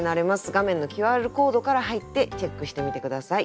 画面のＱＲコードから入ってチェックしてみて下さい。